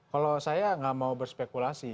kalau saya nggak mau berspekulasi